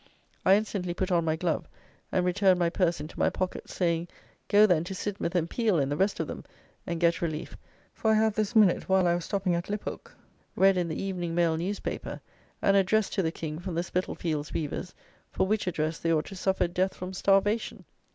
I instantly put on my glove and returned my purse into my pocket, saying, go, then, to Sidmouth and Peel and the rest of them "and get relief; for I have this minute, while I was stopping at Lyphook, read in the Evening Mail newspaper, an address to the King from the Spitalfields' weavers, for which address they ought to suffer death from starvation.